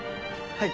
はい。